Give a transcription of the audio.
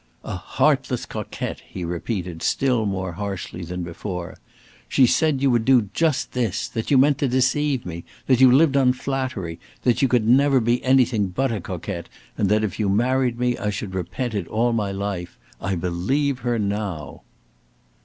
"A heartless coquette!" he repeated, still more harshly than before; "she said you would do just this! that you meant to deceive me! that you lived on flattery! that you could never be anything but a coquette, and that if you married me, I should repent it all my life. I believe her now!"